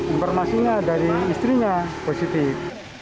informasinya dari istrinya positif